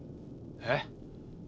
えっ？